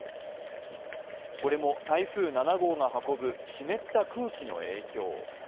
これも台風７号が運ぶ湿った空気の影響。